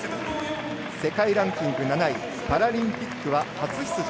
世界ランキング７位パラリンピックは初出場。